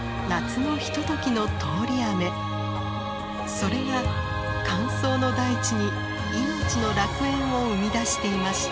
それが乾燥の大地に命の楽園を生み出していました。